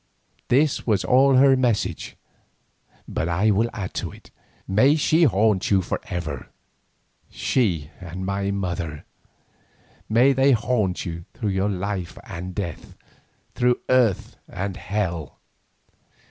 This was all her message, but I will add to it. May she haunt you for ever, she and my mother; may they haunt you through life and death, through earth and hell."